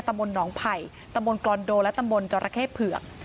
ตำบลหนองไผ่ตำบลกรอนโดและตำบลจรเข้เผือก